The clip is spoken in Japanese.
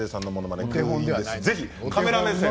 ぜひカメラ目線で。